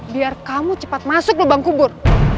biar kamu cepat masuk lubang kubur